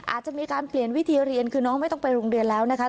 อาจจะมีการเปลี่ยนวิธีเรียนคือน้องไม่ต้องไปโรงเรียนแล้วนะคะ